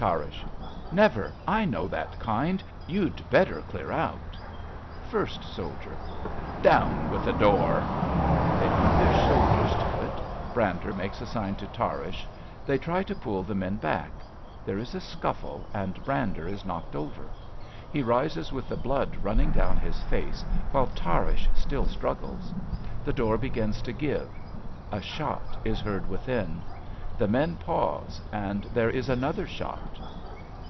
Tarrasch. Never. I know that kind. You'd better clear out. 64 A BELGIAN CHRISTMAS EVE First Soldier. Down with the door ! {They put their shoulders to it. Brander makes a sign to Tarrasch They try to pull the men hack. There is a scuffle and Brander is knocked over. He rises with the blood running down his face, while Tarrasch still struggles. The door begins to give. A shot is heard within. The men pause and there is another shot.)